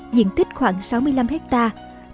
diện tích khoảng sáu mươi năm hectare